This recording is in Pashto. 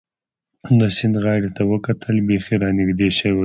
د سیند غاړې ته وکتل، بېخي را نږدې شوي و.